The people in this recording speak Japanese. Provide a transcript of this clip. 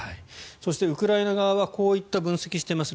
そしてウクライナ側はこういった分析をしています。